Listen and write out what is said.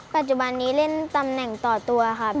ปัจจุบันนี้เล่นตำแหน่งต่อตัวค่ะ